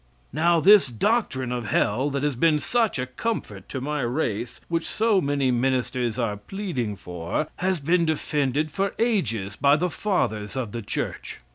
Now this doctrine of hell, that has been such a comfort to my race, which so many ministers are pleading for, has been defended for ages by the fathers of the church.